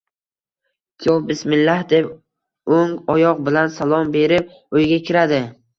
Kuyov “bismillah” deb o‘ng oyoq bilan, salom berib uyga kiradi.